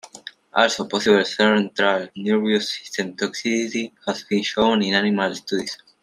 Also, possible central nervous system toxicity has been shown in animal studies.